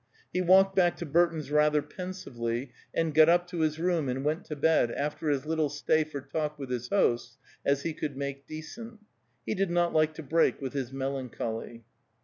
He walked back to Burton's rather pensively, and got up to his room and went to bed after as little stay for talk with his hosts as he could make decent; he did not like to break with his melancholy.